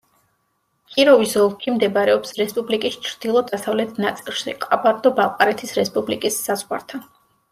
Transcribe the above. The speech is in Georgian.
კიროვის ოლქი მდებარეობს რესპუბლიკის ჩრდილო-დასავლეთ ნაწილში, ყაბარდო-ბალყარეთის რესპუბლიკის საზღვართან.